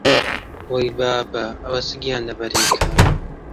وەی بابە، ئەوە چ گیانلەبەرێکە!